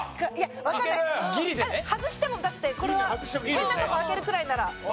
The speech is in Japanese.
わかんない外してもだってこれは変なとこ開けるくらいなら。